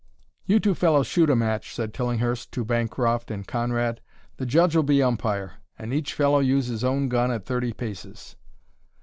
"You two fellows shoot a match," said Tillinghurst to Bancroft and Conrad. "The judge'll be umpire, and each fellow use his own gun at thirty paces."